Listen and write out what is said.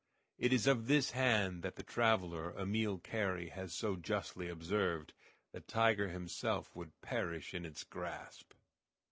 It is of this hand that the traveler, Emile Carrey, has so justly observed: "The tiger himself would perish in its grasp."